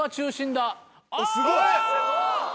すごい！